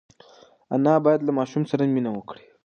انا باید له ماشوم سره مینه وکړي.